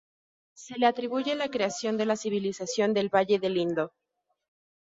Se le atribuye la creación de la civilización del valle del Indo.